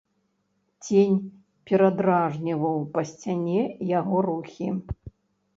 Цень перадражніваў па сцяне яго рухі.